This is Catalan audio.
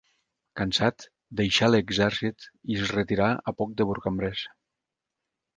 Cansat, deixà l'exèrcit i es retirà a prop de Bourg-en-Bresse.